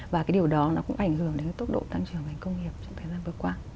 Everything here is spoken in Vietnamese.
và cái điều đó nó cũng ảnh hưởng đến tốc độ tăng trưởng ngành công nghiệp trong thời gian vừa qua